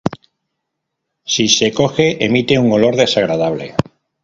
Si se coge emite un olor desagradable.